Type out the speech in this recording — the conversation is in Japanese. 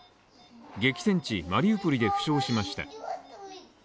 激戦地マリウポリで負傷しました。